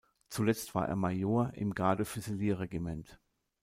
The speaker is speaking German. Zuletzt war er Major im Garde-Füsilier-Regiment.